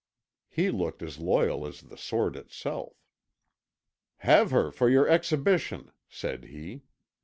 He looked as loyal as the sword itself. "Have her for your exhibition," said he.